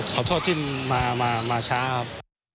ขอโทษที่มาช้าครับ